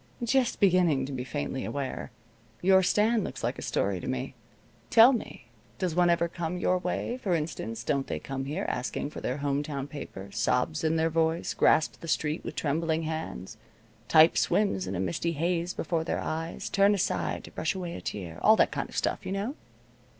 "Just beginning to be faintly aware. Your stand looks like a story to me. Tell me, does one ever come your way? For instance, don't they come here asking for their home town paper sobs in their voice grasp the sheet with trembling hands type swims in a misty haze before their eyes turn aside to brush away a tear all that kind of stuff, you know?"